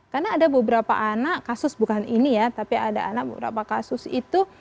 karena ada beberapa anak kasus bukan ini ya tapi ada anak beberapa kasus itu